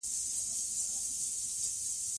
په افغانستان کې د قومونه تاریخ اوږد دی.